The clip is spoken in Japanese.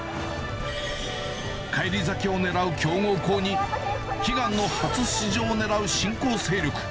返り咲きを狙う強豪校に、悲願の初出場をねらう新興勢力。